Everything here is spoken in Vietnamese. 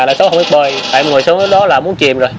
là số không biết bơi tại em ngồi xuống đó là muốn chìm rồi